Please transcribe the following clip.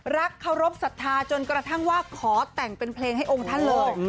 เคารพสัทธาจนกระทั่งว่าขอแต่งเป็นเพลงให้องค์ท่านเลย